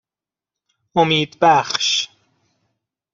امیدبخش